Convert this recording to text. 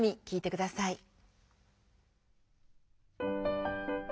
きいてください。